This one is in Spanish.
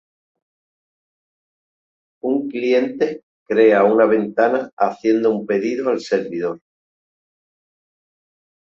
Un cliente "crea" una ventana haciendo un pedido al servidor.